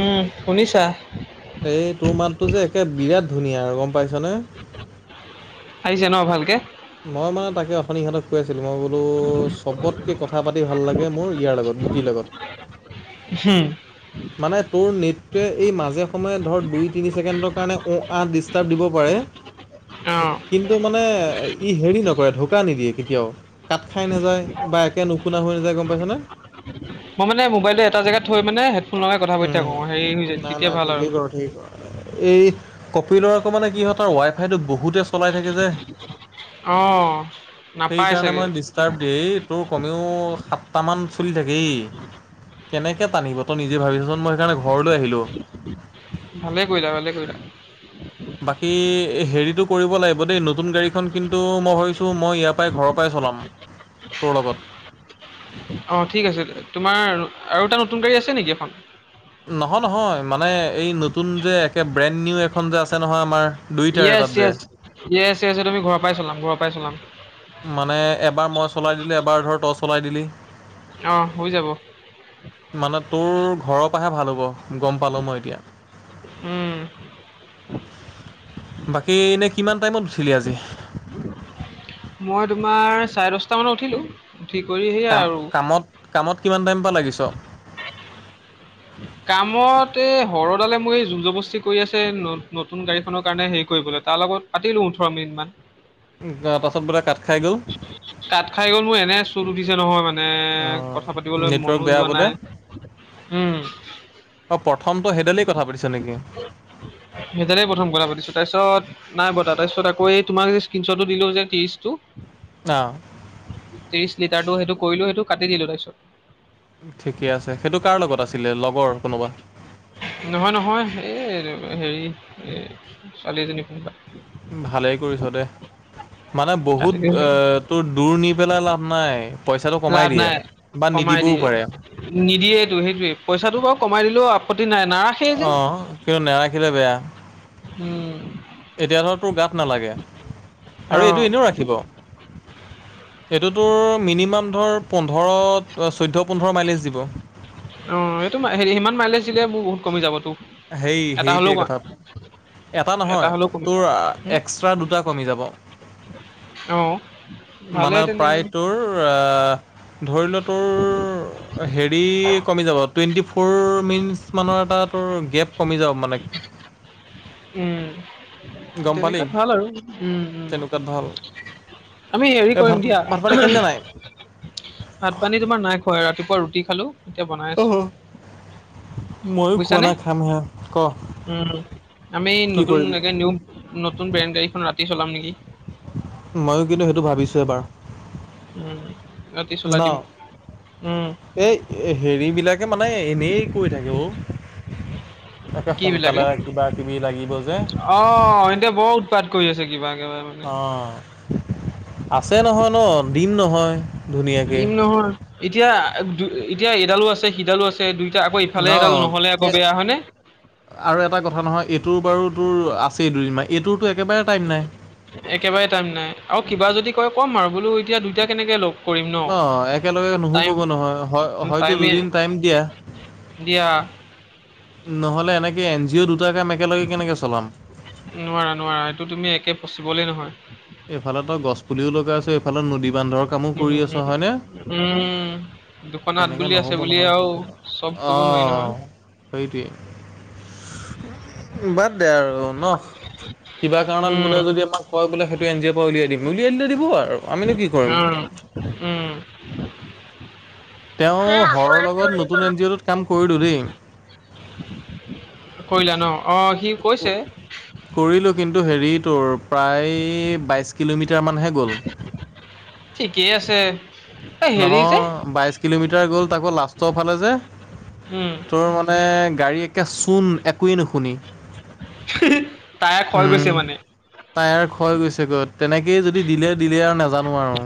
উ'ম শুনিছা? এই তোৰ মাততটো যে একে বিৰাট ধুনীয়া আৰু গম পাইছ নে? আহিছে ন ভালকে? মই মানে তাকে অথনিহঁতক কৈই আছিলোঁ মই বোলো চবত! কথা পাতি ভাল লাগে মোৰ ইয়াৰ লগত গুটিৰ লগত। হুম মানে তোৰ নেটটোৱে এই মাজে সময়ে ধৰ দুই তিনি ছেকেণ্ডৰ কাৰণে ও আ ডিষ্টাৰ্ব দিব পাৰে। [inaudible] কিন্তু মানে ই হেৰি নকৰে ঢকা নিদিয়ে কেতিয়াও। কাত খাই নাযায় বা একে নুশুনা হৈ নাযায় গম পাইছনে? মই মানে মোবাইলটো এটা জেগাত থৈ মানে হেডফোন লগাই কথা পাতিা উম। থাকো হেৰি হৈ যায় না না তেতিয়া ভাল আৰু! ঠিকেই কৰ এই কপিলৰ আকৌ মানে কি হয়, তাৰ ৱাই ফাই টো বহুতে চলাই থাকে যে। অঁ নাপায় চাগে? ষ্টাৰ দেই তোৰ কমেও সাতটামান চলি থাকেই কেনেকৈ টানিব তই ননিজে ক্? যি ভাবিছচোন মই সেইকাৰণে ঘৰলৈ আহিলো। ভালে কৰিলা ভালে কৰিলা। বাকী হেৰিটো কৰিব লাগিব দেই নতুন গাড়ীখন কিন্তু মই ভাবিছোঁ মই ইয়াৰ পৰাই ঘৰৰ পৰাই চলাম। তোৰ লগত। অ ঠিক আছে তোমাৰ আৰু এটা নতুন গাড়ী আছে নেকি এখন? নহয় নহয় মানে এই নতুন যে একে ব্ৰেণ্ড নিউ এখন যে আছে নহয় আমাৰ। দুইটাৰ এটাত ইয়েছ যে য়চ ইয়ে চ আছে তুমি ঘৰৰ পৰাই চলাম ঘৰৰ পৰাই চলাম। মানে এবাৰ মই চলাই দিলোঁ এবাৰ ধৰ তই চলাই দিলি। অ হৈ যাব। মানে তোৰ ঘৰৰ পৰাহে ভাল হ'ব গম পালো মই এতিয়া। উম। বাকী এনেই কিমান টাইমত উথিলি আজি? মই তোমাৰ চাৰে দশটা মানত উঠিলো। ঠিক কৰি সেই কাম কামত কামত কিমান টাইমপ লাগিছ? কামত এই হৰডালে মোৰ জুৰ জুবস্তি কৰি আছে। নতুন গাড়ীখনৰ কাৰণে হেৰি কৰিবলৈ তাৰ লগত। পাতিলো ওঠৰ মিনিটমান। তাৰ পিছত বোলে কাঠ খাই গ'ল। তাত খাই গ'ল মোৰ এনে চত উঠিছে নহয় মানে কথা পাতিবলৈ নেটৱৰ্ক মনো বেয়া যোৱা বোলে নাই। উ'ম অঁ প্ৰথমটো সেইডালই কথা পাতিছ নেকি? সেইদৰে প্ৰথম কৰা পাতিছো তাৰপিছত! নাই পতা তাৰপিছত আকৌ তোমাক স্কেনচটটো দিলো যে ত্ৰিশ টো। অহ ত্ৰিশ লিটাৰটো সেইটো কৰিলো সেইটো কাটি দিলো তাৰপিছত। ঠিকে আছে সেইটো কাৰ লগত আছিলে লগৰ কোনোবা? নহয় নহয় এই হেৰি এ ছোৱালী এজনী কোনোবা। ভালেই কৰিছ দে। মানে কাটি বহুত দিছোঁ তোৰ দূৰ নি পেলাই লাভ নাই পইচাটো কমাই দিয়ে। বা নিদিবও পাৰে। নিদিয়েটো সেইটোয়ে পইচাটো বাৰু কমাই দিলেও আপত্তি নাই না। অ কিন্তু নাৰাখিলে বেয়া। উম এতিয়া ধৰ তোৰ গাত নালাগে অ আৰু এইটো এনেও ৰাখিব। এইটোতোৰ মিনিমাম ধৰ পোন্ধৰ চৈধ্যয়। পোন্ধৰ মাইলেজ দিব। অ এইটো হে সিমান মাইলেজ দিলে মোৰ বহুত কমি যাবতো। সেই সেইটোৱে কথা। এটা নহয় হ'লেও কমি তোৰ এক্সট্ৰা দুটা কমি যাব। অ ভালে মানে তেনে আৰু প্ৰায় তোৰ এ ধৰি ল তোৰ! হেৰি কমি যাব টুৱেণ্টি ফ'ৰ মিনিটছ মানৰ এটা তোৰ গেপ কমি যাব মানে! উম গম পালি তেনেকুৱাত ভাল আৰু উম উম। তেনেকুৱাত ভাল আমি হেৰি এই ভাত কৰিম দিয়া ভাত পানী খালিনে নাই উঁহুম। ভাত পানী তোমাৰ নাই খোৱা ৰাতিপুৱা ৰুটি খালো এতিয়া বনাই অহ আছো। ময়ো খোৱা বুজিছানে নাই খামহে ক উম আমি কি নতুন কৰিবি একে নিউ! নতুন ব্ৰেন গাড়ীখন ৰাতি চলাম নেকি? ময়ো কিন্তু সেইটো ভাবিছোঁ এবাৰ। উম ৰাতি চলাই ন দিম উম। এই হেৰি বিলাকে মানে এনেই কৈ থাকে অ। তাকে কি বিলাকে? সোনকালে কিবা কিবি লাগিব যে! অ এতিয়া বৰ উৎপাত কৰি আছে কিবা কিবা। মানে। অ আছে নহয় ন দিম নহয়,। ধুনীয়াকে। দিম নহয় এতিয়া দু এতিয়া এডালো আছে সিডালো আছে দুই! আকৌ ইফালে এডাল অ', নহ'লে আকৌ কে বেয়া হয় নে? আৰু এটা কথা নহয় এইটোৰ বাৰু তোৰ আছেই দুদিনমান এইটোৰতো একেবাৰে! টাইম নাই। একেবাৰে টাইম নাই আৰু কিবা যদি কয় ক'ম আৰু বোলো এতিয়া দুইটা কেনেকে লক! কৰিম ন অ', একেলগে নুশুবগৈ নহয় হয় টাইম হয়তো টাইমে! দুদিন টাইম দিয়া। দিয়া নহ'লে এনেকৈ এন জি অ' দুটা কাম একেলগে কেনেকৈ চলাম। নোৱাৰা নোৱাৰা এইটো তুমি একে পচিবলেই নহয়। এইফালে তই গছ পুলিও লগাই আছ এইফালে নদী বান্ধৰ! কামো কৰি উম আছ হয়নে? উম, দুখন হাত তেনেকে বুলি আছে নহ'ব বুলি নহয় চব আৰু কথা। চব অ কৰিব নোৱাৰি নহয়। সেইটোৱেইে বাদ দে আৰু ন কিবা কাৰণত উম বোলে যদি আমাক! কয় বোলে সেইটো এন জিৰ পৰা উলিয়াই দিম উলিয়াই দিলে দিব আৰু! আমিনো কি কৰিম। উ উম তেওঁ ঘৰৰ লগত নতুন এন জি অ'টোত কাম কৰিলোঁ দেই। কৰিলা ন অ সি কৈছে। কৰিলোঁ কিন্তু হেৰি তোৰ প্ৰায় বাইছ কিলোমিটাৰমানহে গ'ল। ঠিকেই আছে। এই হেৰি যে নহয় বাইশ কিলোমিটাৰ গ'ল তাকৌ লাষ্টৰ ফালে যে উম তোৰ মানে! মানে গাড়ী একে চোন একোৱেই নুশুনি। টায়াৰ ক্ষয় উম গৈছে মানে তাইযাৰ খয় গৈছে গৈ। তেনেকেই যদি দিলে দিলে আৰু নাজানো আৰু!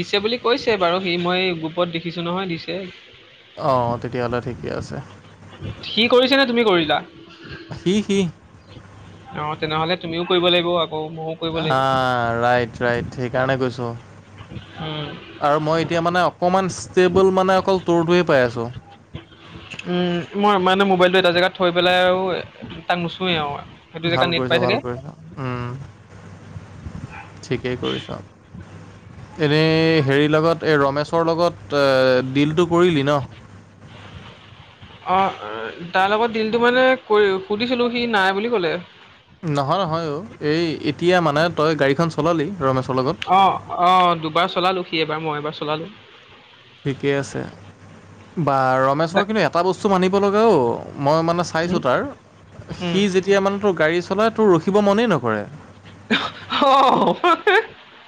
দিছে বুলি কৈছে বাৰু সি মই গ্ৰুপত দেখিছো নহয় দিছে। অঁ তেতিয়াহ'লে ঠিকে আছে। সি কৰিছে নে তুমি কৰিলা। সি সি অ তেনেহলে তুমিও কৈব লাগিব আকৌ মও। অঁ ৰাইট ৰাইট সেইকাৰণে কৈছো। হুম আৰু মই এতিয়া মানে অকণমান ষ্টেবল মানে অকল টুৰটোৱে পাই আছো। উম মই মানে মোবাইলটো এটা জেগাত থৈ পেলাই আৰু! তাক নুচোৱে আও সেইটো জেগাত নেট পাই থাকে। ওম ঠিকেই কৰিছ। এনেই হেৰিৰ লগত এই ৰমেশ্বৰ লগত তই ডিলটো কৰিলি ন? অ তাৰ লগত দিলটো মানে কৰি সুধিছিলো সি নাই বুলি কলে। নহয় নহয় অ এই এতিয়া মানে তই গাড়ীখন চলালি ৰমেশ্বৰ লগত? অঁ অঁ দুবাৰ চলালোঁ সি এবাৰ মই এবাৰ চলালোঁ। ঠিকেই আছে বা দা ৰমেশ্বৰ কিন্তু এটা বস্তু মানিব লগা ঔ। মই মানে চাইছোঁ উম, তাৰ উম। সি যেতিয়া মানে তোৰ গাড়ী চলাই তোৰ ৰখিব মনেই নকৰে। অ হঁ হে হে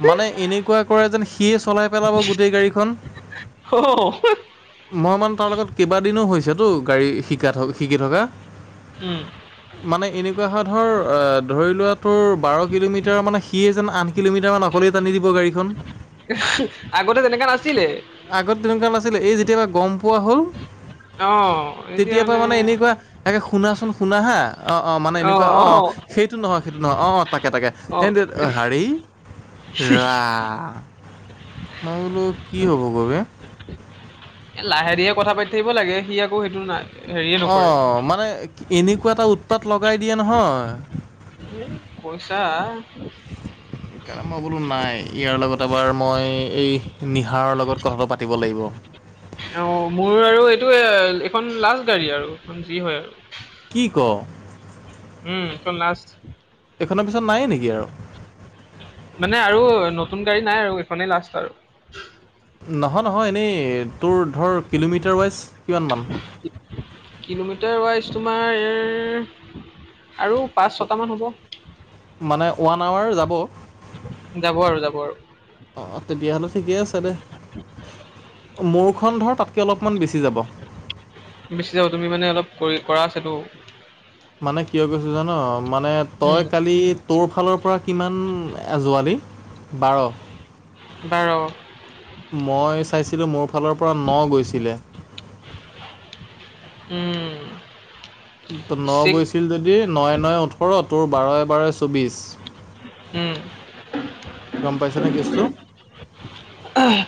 মানে এনেকুৱা কৰে যেন সিয়ে চলাই পেলাব গোটেই গাড়ীখন। অ', মই মানে তাৰ লগত কেইবাদিনো হৈছেতো গাড়ী শিকা থ শিকি থকা। উম মানে এনেকুৱা হয় ধৰ অ ধৰি লোৱা তোৰ বাৰ কিলোমিটাৰ মানে সিয়ে যেন আঠ কিলোমিটাৰ! কেইটামান অকলেই টান দিব গাড়ী খন। আগতে তেনেকা নাছিলে। আগত তেনেকুৱা নাছিলে এই যেতিয়াবা গম পোৱা হল অ', এতিয়া তেতিয়া পা মানে এনেকুৱা। তাকে শুনাচোন শুনা হা অ অ মানে এনেকুৱা অ অ সেইটো নহয় সেইটো নহয় অ। তাকে তাকে অ', এনে হাৰী! ৰা মই বোলো কি হ'ব গৈ বে! এ লাহে ধিহে কথা পাতি থাকিব লাগে সি আকৌ সেইটো নায়। অ মানে এনেকুৱা এটা উৎপাত লগাই দিয়ে নহয়। পইছা সেইকাৰণে মই বোলো নাই ইয়াৰ লগত এবাৰ মই এই নিহাৰৰ লগত কথাটো পাতিব লাগিব। অ মোৰ আৰু এইটো এইখন লাজ গাড়ী আৰুখন যি হয়। কি কৱ উম, এইখন লাষ্ট এইখনৰ পিছত নাইয়ে নেকি আৰু! মানে আৰু নতুন গাড়ী নাই আৰু এইখনেই লাষ্ট আৰু! নহয় নহয় এনেই তোৰ ধৰ কিলোমিটাৰ ৱাইজ কিমান মান? কিলোমিটাৰ ৱাইজ তোমাৰ ইয়াৰ আৰু! পাঁচ ছটামান হ'ব। মানে ওৱান আৱাৰ যাব। যাব আৰু যাব আৰু অ তেতিয়াহ'লে ঠিকে আছে দে। মোৰখন ধৰ তাতকে অলপমান বেছি যাব। বেছি যাব তুমি মানে অলপ কৰি কৰা আছে তৌ। মানে কিয় কৈছো জান মানে উম, তই কালি! তোৰফালৰ পৰা কিমানজোৱালি বাৰ! বাৰ মই চাইছিলোঁ মোৰ ফালৰ পৰা ন গৈছিলে। উম ন চিক গৈছিল যদি নয় নয় ওঠৰ তোৰ বাৰই বাৰই চৌবিশ। উম, গম পাইছ নে কিছটো?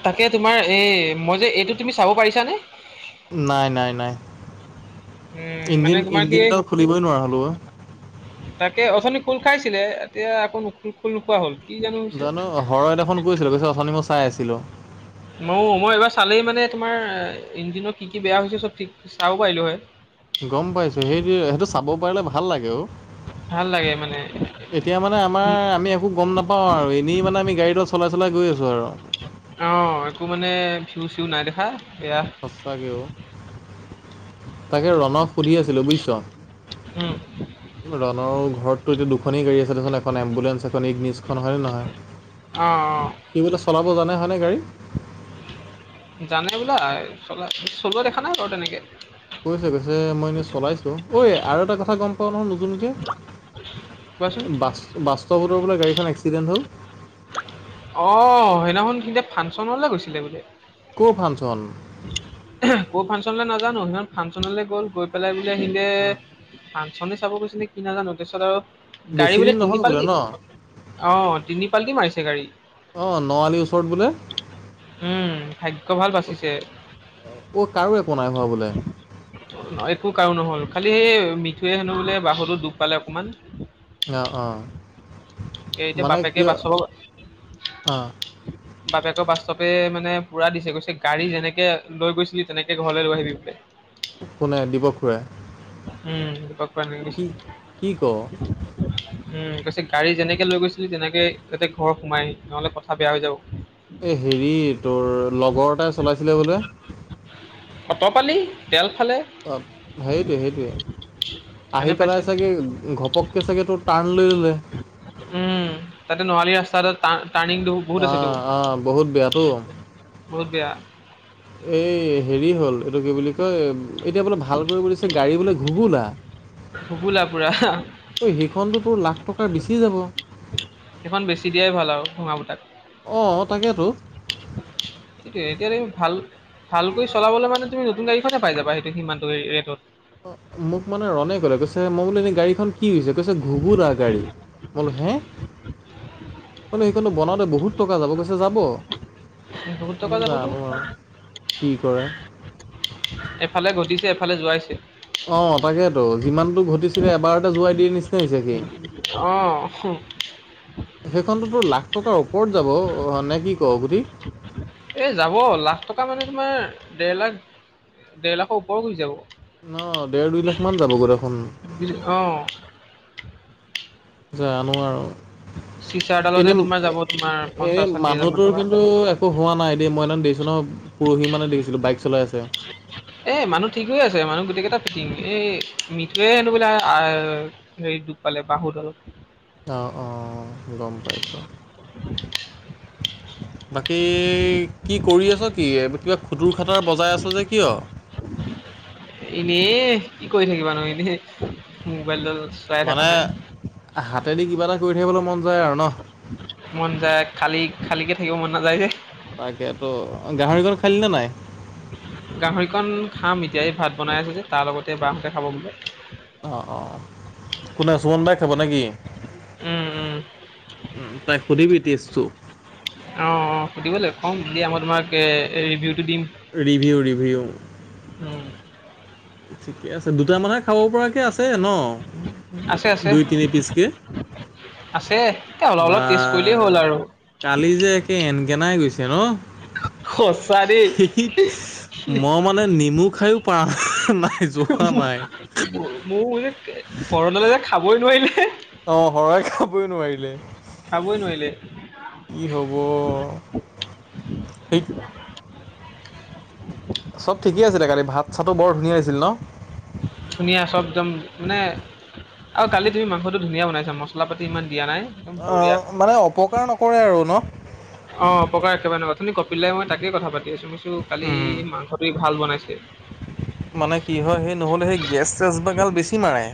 তাকে তোমাৰ এই মই যে এইটো তুমি চাব পাৰিছানে? নাই নাই নাই উম, মানে ইঞ্জিন তোমাৰ কি ইঞ্জিনডাল খুলিবই নোৱাৰা হলো। তাকে অথনি খোল খাইছিলে এতিয়া আকৌ নো খোল নোখোৱা হল কি জানো হৈছে। গৈছিলো গৈছিলো অথনি মই চাই আছিলো। ম মই এইবাৰ চালেই মানে তোমাৰ ইঞ্জনৰ কি কি বেয়া হৈছে চব ঠিক চাব পাৰিলো হয়। গম পাইছো সেইটো সেইটো চাব পাৰিলে ভাল লাগে অ। ভাল লাগে মানে। এতিয়া মানে আমাৰ আমি একো গম নাপাওঁ আৰু এনেই মানে আমি গাড়ীড চলাই চলাই গৈ আছোঁ আৰু! অ একো মানে ভিউ চিউ নাই দেখা এয়া। সঁচাকে অ তাকে ৰণক সুধি আছিলোঁ বুজিছ? উম ৰনক ঘৰতো এতিয়া দুখনি গাড়ী আছে দেখা নাই এখন এম্বুলেঞ্চ আছে। নিজখন হয়নে নহয়? অ', অ', সি বোলে চলাব জানে হয়নে গাড়ী? জানে বোলা চলা চলোৱা দেখা নাই বাৰু তেনেকে। কৈছে কৈছে মই এনেই চলাইছো ঐ আৰু এটা কথা গম পাও নহয় নুতুনকে? কোৱাচোন। বাস্তৱতৰ বোলে গাড়ীখন এক্সিডেণ্ট হ'ল। অ সেইদিনাখন সি ফাংচনলৈ গৈছিলে বোলে। ক' ফাংচন? ক' ফাংচনলৈ নাজানো সিমান ফাংচনলৈ গ'ল গৈ পেলাই বোলে সিয়ে! ছোৱালী চাব গৈছে নে কি নাজানো তাৰপিছত আৰু! গাড়ী বেছি বোলে দিন তিনি নহ'ল পাল্টি ন? অ তিনি পাল্টি মাৰিছে গাড়ী। অ ন আলীৰ ওচৰত বোলে? উম ভাগ্য ভাল বাচিলে। অ কাৰো একো নাই হোৱা বোলে। একো কাৰো নহল খালি সেই মিঠুৱে হেনো বোলে বাহতো দুখ পালে অকমান। অ অঁ এতিয়া মানে বাপেকে কিয় বাছল। অঁ বাপেকৰ বাস্তৱে মানে পুৰা দিছে গৈছে গাড়ী যেনেকে লৈ গৈছিলি তেনেকে ঘৰলৈ লৈ আহিবি বোলে। কোনে দীপক খুৰাই উম গম পালোঁ। কি কি ক উম কৈছে গাড়ী যেনেকে! লৈ গৈছিলি তেনেকে তাতে ঘৰ সোমাই আহিবি, নহ'লে কথা বেয়া হৈ যাব। এই হেৰি তোৰ লগৰ এটাই চলাইছিলে বোলে। অট পালি তেল ফালে। অ সেইটোৱে সেইটোৱে এনে আহি পাইছে। পেলাই চাগৈ ঘপককৈ চাগৈ তত। টাৰ্ণ লৈ ল'লে। উম তাতে নোৱালি ৰাস্তা টাৰ্ণিং তো। অঁ অ বহুত বেয়াটো। বহুত বেয়া। এই হেৰি হ'ল এইটো কি বুলি কয়। এতিয়া বোলে ভাল কৰিব দিছে গাড়ী বোলে ঘুগুলা। ভুগোলা পুৰা ঐ সেইখনতোতোৰ লাখ টকাৰ বেছি যাব। সেই খন বেছি দিয়াই ভাল আৰু ভঙা ফুটা। অঁ তাকেইেতো। এতিয়া এতিয়া তুমি ভাল ভালকৈ চলাবলে মানে তুমি নতুন গাড়ীখননে পাই যাবা। সিমানটো ৰেটত অ মোক মানে ৰনে কলে কৈছে মই বোলো এ গাড়ীখন কি হৈছে কৈছে ঘুগুলা গাড়ী। মই বোলো হে বোলো সেইখনটো বনাওঁতে বহুত টকা যাব, কৈছে যাব। বহুত ম টকা যাবতো জানো আৰু কি কৰে। এফালে ঘটিছে এফালে যোৱাইছে। অ তাকেতো যিমানতটো ঘটিছিলে এবাৰতে যোৱাই দিয়ে নিচিনা হৈ হৈছে। অ সেইখনতোতো লাখ টকাৰ ওপৰত যাব নে কি ক গুধি। এ যাব লাখ টকা মানে তোমাৰ দেৰ লাখ দেৰ লাখৰ ওপৰৰত গুচি যাব। ন দেৰ দুই লাখ মান যাব গৈ দেখোন। অ জানো আৰু চিচাৰডালতে এনে তোমাৰ যাব তোমাৰ এনে পঞ্চাশ ষাঠি হাজাৰ মান মানুহটোৰ টকা। কিন্তু! একো হোৱা নাই দিয় মই এনে দেখছো ন পৰহি মানে দেখিছিলো বাইক চলাই আছে। এ মানুহ ঠিক হৈ আছে মানুহ গোটেই কেইটা থিক এই মিঠুয়ে হেনো বোলে আহ! হেৰি দুখ পালে বাহুৰ তলত। অঁ অঁ গম পাইছোঁ [inaudible] বাকী কি কৰি আছ কি কিবা খুতুৰ খাটাৰ বজাই আছে যে কিয়? এনেই কি কৰি থাকিবানো এনেই। মোবাইলডাল চলাই থকা মানে নাই হাতেদি কিবা এটা কৰি থাকিবলৈ মন যায় আৰু ন? মন যায় খালী খালিকে থাকিব মন নাযায় যে। তাকে তো গাহৰিক কণ খালিনে নাই? গাহৰিকণ খাম এতিয়াই ভাত বনাই আছে যে তাৰ লগতে বাহঁতে খাব বুলি। অঁ অঁ কোনে চুমন বাই খাব নেকি? উম উম উ তাই সুধিবি টেষ্টটো? অঁ অঁ সুধিব লাগিব ক'ম দিয়া মই তোমাক ৰিভিউটো দিম। ৰিভিউ ৰিভিউ উম ঠিকে আছে দুটামানুহে খাব পৰাকৈ আছে ন আছে আছে দুই তিনি পিচকে। আছে এ অলপ বা অলপ টেষ্ট কৰিলেই হ'ল আৰু! কালি যে একে এনকেনাই গৈছে ন? সঁচা দেই স মই মানে নেমু খাইয়ো পাৰা নাই। যোৱা নাই মোৰ যে ঘৰণলে যে খাবই নোৱাৰিলে। অ শৰই খাবই নোৱাৰিলে খাবই নোৱাৰিলে কি হব। ঠিক চব ঠিকেই আছিলে কালি ভাত চাতটো বৰ ধুনীয়া হৈছিল ন? ধুনীয়া চব একদম মানে আৰু কালি তুমি মাংসটো ধুনীয়া বনাইছা ম! মপলা পাতি ইমান দিয়া নাই একদম বঢ়িয়া। অ মানে অপকাৰ নকৰে আৰু ন অ অপকাৰ একেবাৰে নকৰে অথনি কপিল দাই মই তাকে কথা পাতি আছো মই বোলো কালি উম মাংস। তুমি ভাল বনাইছা। মানে কি হয় সেই নহ'লে সেই গেছ চেছ বাগাল বেছি মাৰে।